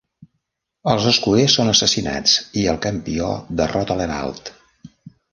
Els escuders son assassinats i el campió derrota l'herald.